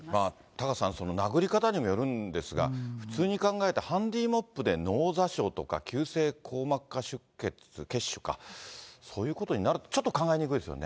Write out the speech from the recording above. タカさん、殴り方にもよるんですが、普通に考えて、ハンディーモップで脳挫傷とか、急性硬膜下血腫、そういうことになる、ちょっと考えにくいですよ